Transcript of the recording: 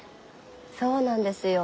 そうなんですよ。